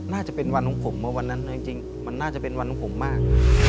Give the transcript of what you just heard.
น่าจะเป็นวันของผมเมื่อวันนั้นจริงมันน่าจะเป็นวันของผมมาก